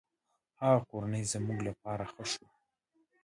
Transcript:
هغه کورنۍ زموږ له پاره ښه شوه.